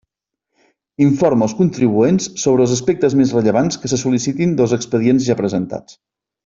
Informa els contribuents sobre els aspectes més rellevants que se sol·licitin dels expedients ja presentats.